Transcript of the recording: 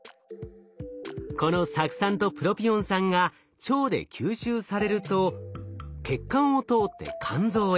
この酢酸とプロピオン酸が腸で吸収されると血管を通って肝臓へ。